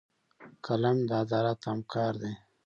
قلم د عدالت همکار دی